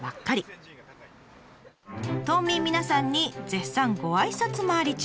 島民皆さんに絶賛ごあいさつ回り中。